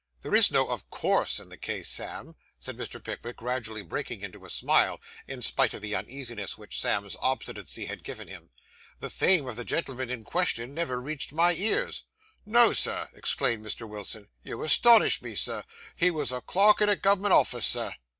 'There is no "of course" in the case, Sam,' said Mr. Pickwick, gradually breaking into a smile, in spite of the uneasiness which Sam's obstinacy had given him. 'The fame of the gentleman in question, never reached my ears.' 'No, sir!' exclaimed Mr. Weller. 'You astonish me, Sir; he wos a clerk in a gov'ment office, sir.